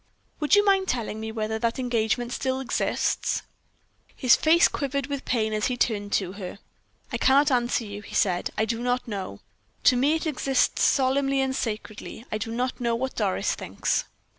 "Would you mind telling me whether that engagement still exists?" His face quivered with pain as he turned it to her. "I cannot answer you," he said; "I do not know. To me it exists solemnly and sacredly. I do not know what Doris thinks."